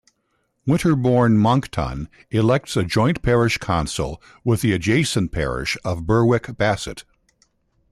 Winterbourne Monkton elects a joint parish council with the adjacent parish of Berwick Bassett.